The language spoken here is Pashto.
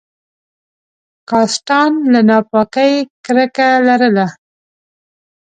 کاستان له ناپاکۍ کرکه لرله.